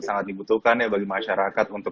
sangat dibutuhkan ya bagi masyarakat untuk